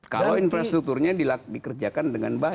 kalau infrastrukturnya dikerjakan dengan baik